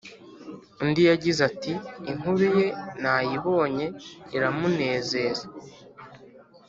undi yagize ati “inkuru ye nayibonye iramunezeza